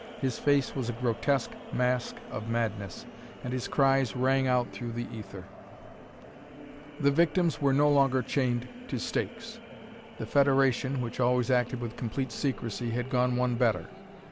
His face was a grotesque mask of madness, and his cries rang out through the ether. The victims were no longer chained to stakes. The Federation, which always acted with complete secrecy, had gone one better.